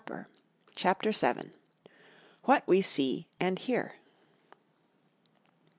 " CHAPTER VII. WHAT WE SEE AND HEAR.